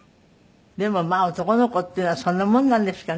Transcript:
でもまあ男の子っていうのはそんなもんなんですかね？